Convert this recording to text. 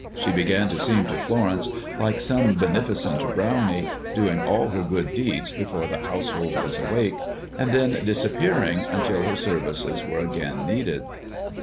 She began to seem to Florence like some beneficent brownie, doing all her good deeds before the household was awake, and then disappearing until her services were again needed.